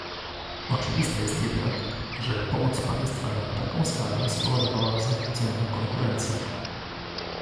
Oczywiste jest jednak, że pomoc państwa na taką skalę spowodowała zakłócenia konkurencji